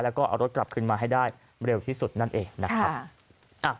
แล้วก็เอารถกลับขึ้นมาให้ได้เร็วที่สุดนั่นเองนะครับ